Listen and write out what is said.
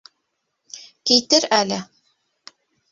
Китер әле.